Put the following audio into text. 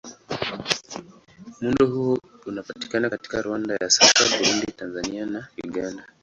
Muundo huo unapatikana katika Rwanda ya sasa, Burundi, Tanzania na Uganda.